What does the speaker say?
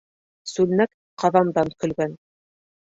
Сүлмәк ҡаҙандан көлгән.